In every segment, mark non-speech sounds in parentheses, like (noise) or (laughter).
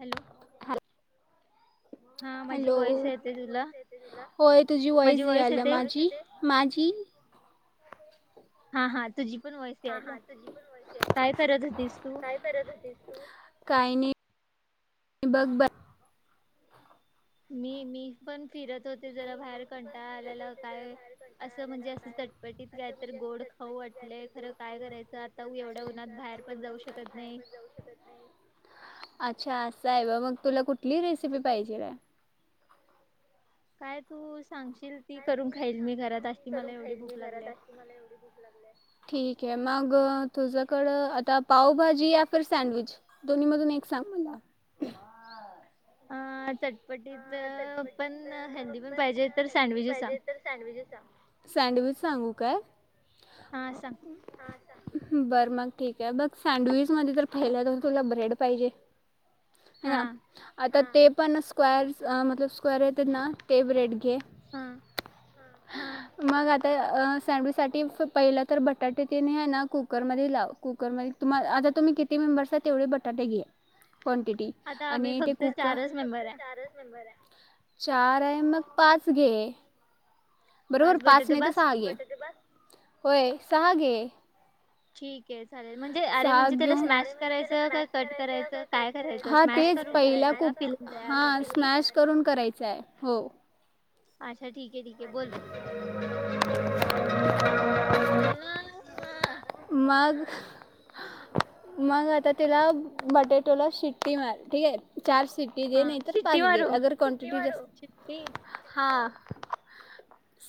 Hello! हा माझी वईस येते तुला. होय तुझी वईच यायला माझी माझी! हा हा तुझी. हा हा तुझी पण काय परत होते काही नाही. बघ ब मी मी पण फिरत होते जरा बाहेर कंटाळ आल्याला काय असं म्हणजे असं चटपटीत काय तर गोड खाऊ वाटलेय खरं काय करायचं आता एवढ्या उन्हात बाहेर पण जाऊ शकत नाही. अच्छा असा आहे ब मग तुला कुठली रेसिपी पाहिजे का? काय तू.. सांगशील ती करून खाईल मी घरात अशी मला एवढी भूक लागली. ठीक आहे मग तुझ्याकडं आता पावभाजी या फिर सँडविच दोन्ही मधून एक सांग. अह च.. चटपटीच पण सड पाहिजे तर सँडविच सडविच.. सांगू काय? हा सां.. बर मग ठीक आहे बघ सँडविच मध्ये जर पहिलं तर तुला ब्रेड पाहिजे. ह ना आता ते पण स्क्र म स्क्र ना ते बेड.. (unintelligible) तर सँडविच सा पहिलं तर बटाटे तने आहे ना कुकरमध्ये लाव कुकरमध्ये तुम्हाला आ.. र तुम्ही किती मेंबर् तेवढे बटाटे घे क्नटिटी आणि ते कुक.. चार आहे मग पाच घे. बरोबर पाच नाही तर सहा गे होय सहा गे. ठीक. चालेल म्हणजे अरे म्हणजे त्याला स्मॅश करायचं काय कट करायचं काय करायचं स्मॅश करून करायचं. कुक हा स्मॅश करून करायचा आहे हो. अच्छा ठीक आहे ठीक आहे बोल बोल बोल. बोला! मग! मग आता तिला बटेटोला शिट्टी मार ठीक आहे चार सिटी दे नाही तर पाच दे अगर क्टिटी हा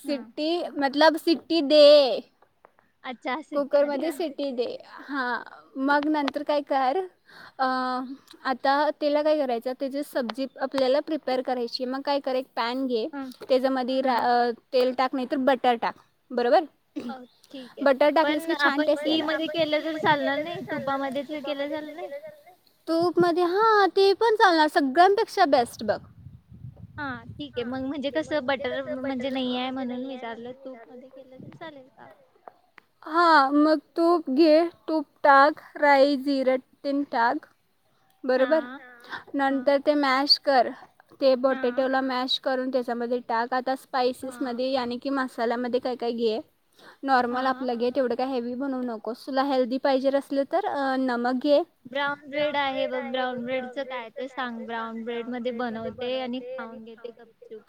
सिटी मतलब सिटी दे कुकर मध्ये सिटी दे हा मग नंतर काय कर अ आता त्याला काय करायचं त्याची सब्जी आपल्याला प्रिपेअर करायची मग काय कराय पॅन घे त्याच्या मध्ये रा तेल टाक नाही तर बटर टाक बरोबर अ ठीक आहे पण आपण घी मध्ये केलं तर चालणार नाही तुपामध्ये तर केलं चालणार नाही तूप मध्ये हा ते पण चालणार सगळ्यांपेक्षा बेस्ट बघ हा ठीक आहे मग म्हणजे कस बटर म्हणजे नाही आहे म्हणून विचारलं तूप मध्ये केलं तर ले का हां मग तूप घे तूप टाक राई जिरे ट टिन टाक बरोबर नंतर ते मॅश कर ते बटटोला मॅश करून त्याच्यामध्ये टाक आता स्यसस मध्ये या की मस् त ब्राउन ब्रेड आहे बघ ब्राऊन ब्रेडच काय तर सांग ब्राऊन ब्रेड मध्ये बनवते आणि खाऊन घेते कपचूप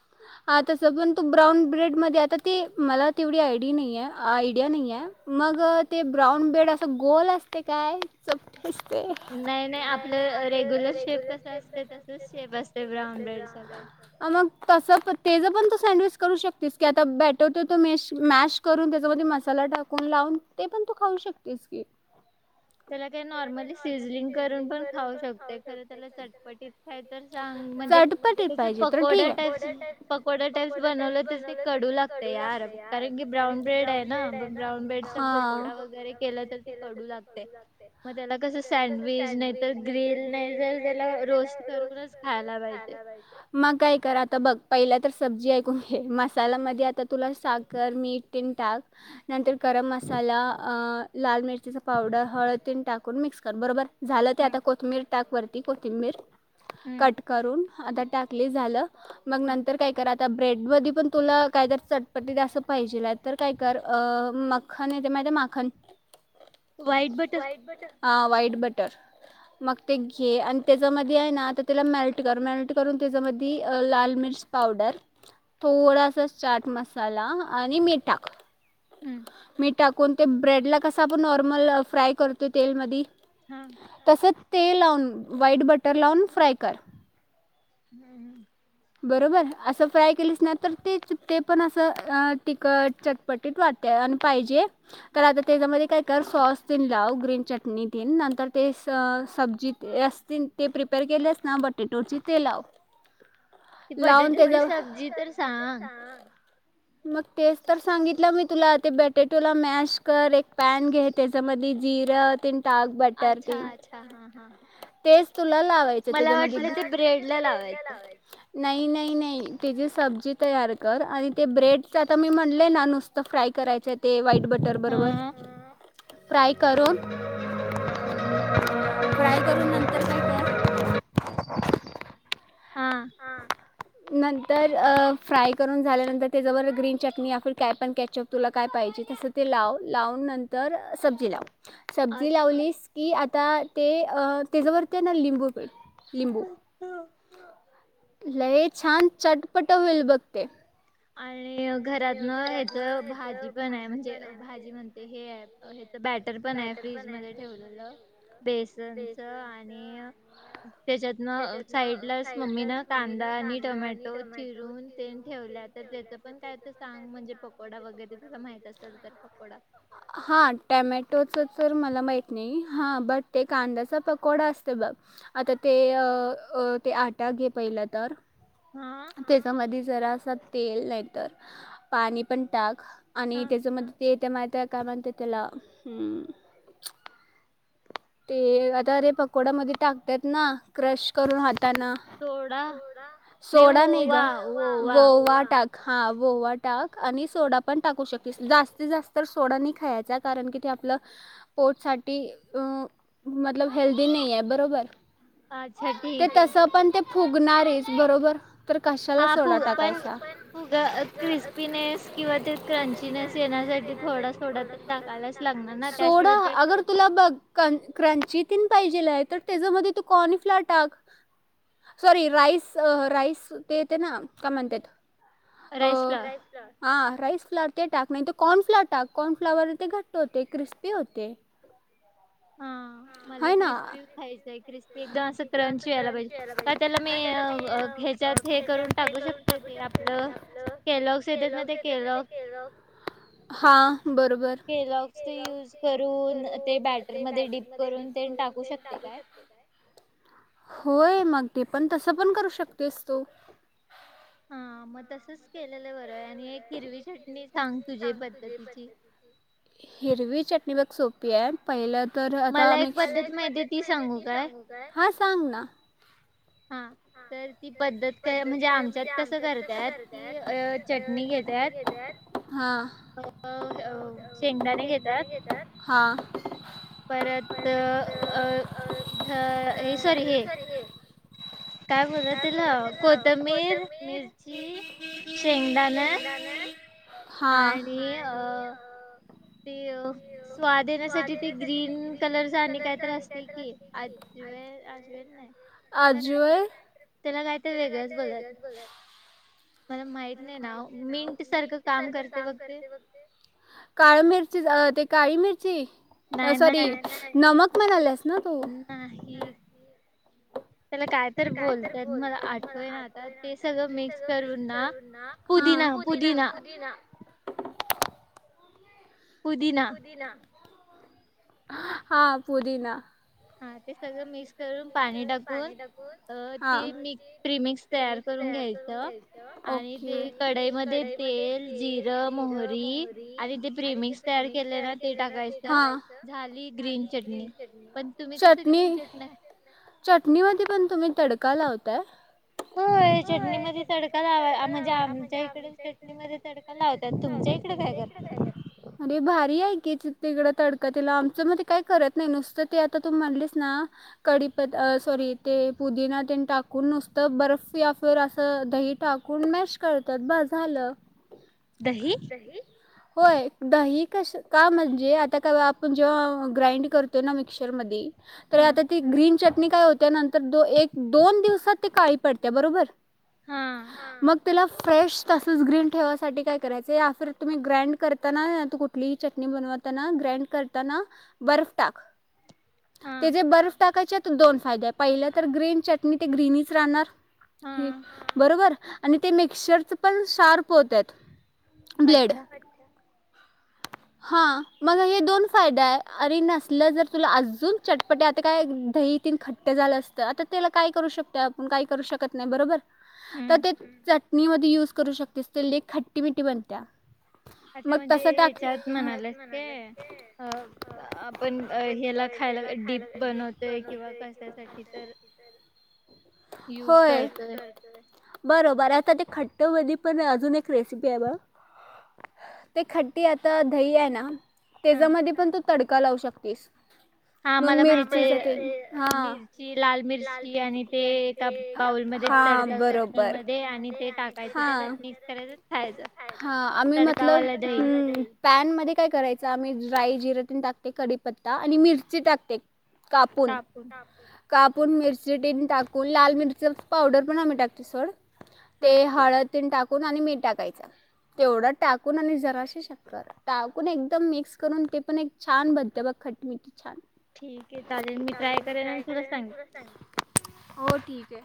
अच्छा त पण तो ब्राऊन ब्रेड मध्ये आता ते मला तेवढी आयडिया नाही आहे आयडिया नाही आहे मग ते ब्राऊन ब्रेड असं गोल असते काय चपटे असते नाही नाही आपलं रेग्युलर शेप जस असते शेप असते ब्राउ मग तसं प तेच पण सँडविच करू शकतेस की आता बॅटरत तो मश मॅश करून त्याच्यामध्ये मसाला टाकून लावून ते पण तू खाऊ शकतेस की त्याला काही नॉर्मली सीजलिंग करून पण खाऊ शकते खर त्याला चटपटीत खय तर सांग म्हणजे त पकोड टाप्स पकोडा टाईप्स बनवलं तर ते कडू लागत यार कारण की ब्राऊन ब्रेड आहे ना ला मग त्या कस सच सडविच नाही तर गल नाही त्याला रोस्ट खयला पाहिजे मग काय (unintelligible) राता बघ. पहिल्या तर सब्जी ऐकून घ मसाल्यामध्ये आता तुला साखर मीठ ते टाक नंतर गरम मसाला लाल मिरचीचा पावडर हळदीन टाकून मिक्स कर बरोबर. झालं ते आता कोथंबीर टाकवरती कोथिंबीर कट करून आता टाकली झालं. मग नंतर काय करा. ब्रेड म पण तुला कायत चटपटी पाहिजे तर काय कर म का माखण. वाईट बट. हां व्हाईट बटर. मग ते घे आणि त्याच्यामध्ये आहे ना आता त्याला मेल्ट कर मेल्ट करून त्याच्यामध्ये लाल मिरच पावडर थोडासा चाट मसाला आणि मिठा हम्म. टाकून ते ब्रेड ला कस आपण नॉर्मल फ्राय करतो तेलमध्ये हा. ते लावून व्हाईट बटर लावून फ्राय कर. हम्म. बरोबर असं फ्राय केलीच ना तर तेच ते पण असं तिखट चटपटीत वाटते. आता त्या काय स गन च (unintelligible) सब्जी अस ते प्रिपेअर केलेच ना बटेटोची तेलाव ती बटाट्याची सब्जी तर सांग. टेस्ट तर सांगितलं मी तुला ते बटेटोला मॅश कर एक पॅन घे त्याच्यामध्ये जिरं ते अच्छा अच्छा हा हा हा. तेच तुला लावायच त्याच्यामध्ये ब्रेड ला लावायच. नाही नाही नाही त्याची सब्जी तयार कर आणि ते ब्रेडच आता मी म्हणले ना नुसतं फ्राय. कराय ते व्हाईट बटर बरोबर फ्राय करून (unintelligible) (unintelligible) नंतर फ्राय करून झाल्यानंतर त्या जबर ग्रीन चटणी काय पण कॅचप तुला काय पण पाजे तस ते लाव लावून नंतर सब्जी लाव. सब्जी लावलीस की आता ते अ त्याच्यावरती ना लिंबू पीळ. लिंबू लय छान चटपट होईल बघ ते, आणि घरातन हच भाजी पण आहे म्हणजे भाजी म्हणते हे आहेच बॅटर पण आहे फ्रीज मध्ये ठेवलेलं बेसनच आणि त्याच्यातन साईड लाच मम्मीन कांदा आणि टमॅटो चिरून ते ठेवल्या. त्याच पण काय तर सांग म्हणजे पकोडा वगैरे तुला माहित असेल तर पकोडा (unintelligible) तर मला माहत नाही हां बट ते कांद्याचा पकोडा असत बघ आता ते ते आटा घे पहिला तर त्याच्यामध्ये जरा असा तेल नाही तर पाणी पण टाक. (unintelligible) ते आता अरे पकोडा मध्ये टाकतात ना क्रश करून हाताना सोडा नाही ग वोवा टाक. हा वोवा टाक आणि सोडा पण टाकू शकते जास्तीत जास्त तर सोडा नाही खायचा कारण की आपलं पोट साठी हेल्दी नाही आहे बरोबर. अच्छा ठीक आहे. फुगणारेच बरोबर तर कशाला सोडा टाकायचा. क्रिस्पीनेस किंवा ते क्रंचीनेस येण्यासाठी थोडा थोडा तर टाकायलाच. सोडा अगर तुला क्रंची तन पाहिजे तर त्याच्यामध्ये तु कॉर्नफ्लॉवर टाक सॉरी राईस राईस ते येते ना का म्हणतात राईस फ्लॉर ते टाक नाही ते कॉर्नफ्लॉवर टाक कॉर्नफ्लॉवर ते घट्ट होते क्रिस्पी होते. मला क्रिस्पी खायचंय क्रिस्पी एकदम अस क्रंच व्हायला पाहिजे का त्याला मी ह्याच्यात हे करून टाकू शकते ते आपलं केलॉगस येत म ते केलॉग हा बरोबर केलॉक्स यूज करून ते बॅटर मध्ये करून ते टाकू शकते काय! होय मग ते पण तसं पण करू शकतेस तू हम मग तसच केलेलं बरंय आणि हिरवी चटणी सांग तुझी पद्धतीची हिरवी चटणी बघ सोपी आहे पहिलं तर आता मला एक पद्धत माहिती ती सांगू का हा सांग ना हा तर ती पद्धत म्हणजे आमच्यात कसं करताय की चटणी (unintelligible) अ शेंगदाणे घेतात. परत अ सॉरी हे काय बोल तिला कोथंबीर, मिरची, शेंगदाणा, आणि अ ते स्वाद येण्यासाठी ते ग्रीन कलर आणि काय तर असतय की आजवेद आजवेद नाही त्याला कायत त्याला काय तर वेगळंच बोलत्यात मला माहित नाही ना मिंट सारखं काम करते बघ ते काळ मिरची अ ते काळी मिरची नाय नाय नमक म्हणल्यास नाही त्याला काय तर बोलत्यात मला आठवणा आता ते सगळं मिक्स करून ना, पुदिना पुदिना पुदिना हा पुदिना सगळं मिक्स करून पाणी टाकून अ ती मिक प्रीमिक्स तयार करून घ्यायचं, आणि ते कडई मधे तेल, जिरं, मोहरी आणि ते प्रिमि मिक्स तयार केलेलं ते टाकायच झाली ग्रीन चटणी पण तुम्ही कसं (unintelligible) चटणी मधे पण तुम्ही तडका लावताय? होय होय चटणीमध्ये तडका लाव म्हणजे आमच्या इकड चटणीमध्ये तडका लावत्यात तुमच्या इकड काय कर (unintelligible) आरे भाय ही हाय की तिकड तडका तिला आमच मध्ये काय करत नाही नुसतं ते आता तू म्हनलीस ना कढीपत सॉरी ते पुदिना तेन टाकून नुसतं बर्फ या फिर असं दही टाक (unintelligible) करतात बास झालं. दही? होय दही का म्हणजे आता कवा आपण जेव्हा ग्राईंड करतोय ना मिक्चरमध्ये तरी आता ही चटणी काय होत्या नंतर दो एक दोन दिवसात ते काळी पडत्या बरोबर आ मग त्याला फ्रेश तसच ग्रीन ठेवासाठी काय करायच तुम्ही ग्राईंड करताना कुठलीही चटणी बनवताना ग्राईंड करताना बर्फ टाक. ते जे बर्फ टाकायचे दोन फायदे पहिले ते ग्रीनी चटणी ते ग्रीनीच राहणार ही एक बरोबर आणि ते मिक्चर पण शार्प होत्यात अच्छा (inaudible) हा मग हे दोन फायदा हाय आरी नसलं जर तुला अजून चटपट्या ते काय दही तीन खट्ट झालं असतं आता त्याला काय करू शकत आपण काय करू शकत नाही बरोबर तर ते चटणी मधे युज करू शकतीस ती लय खट्टिमिट्टि बनत्या अचां म्हणजे हेच च्यात म्हणालेस काय अं आपण हेला खायला डीप बन ते किंवा कश्यासाठी तर होय बरोबर आता ते खट त्या मधी पण अजून एक रेसिपी आहे बघ ते खट्टॆ आता दही आहे ना तेज्या मधी पण तू तडका लावू शकतीस हा मला माहित आहे अं मिरची लाल मिरची आणि ते एका बाऊल मध्ये तडका की मध्ये आणि ते टाकायचं त्यात मिक्स करायचं खायचं हा आम्ही मतलब पॅन मध्ये काय करायच आम्ही राई, जिरं, तेन टाकते कडीपत्ता आणि मिर्ची टाकते. कापून कापून मिरची टीन टाकून लाल मिरची पावडर पण आम्ही टाकते सोड ते हळद तेन टाकून आणि मीट टाकायच तेवढं टाकून आणि जरा (unintelligible) टाकून एकदम मिक्स करून ते पण एक छान भनते बघ खटीमिटी छान चालेल मी ट्राय करेन तुल सांग हो ठीक ते